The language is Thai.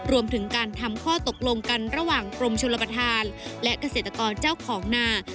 รวมถึงการทำข้อตกลงกันระหว่างกรมชนประธานและเกษตรกรเจ้าของนา